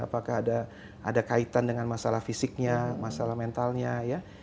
apakah ada kaitan dengan masalah fisiknya masalah mentalnya ya